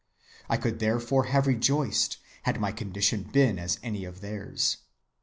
I could therefore have rejoiced, had my condition been as any of theirs.